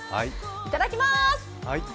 いただきます！